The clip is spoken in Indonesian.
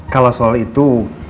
kalau soal itu